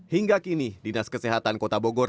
hingga kini dinas kesehatan kota bogor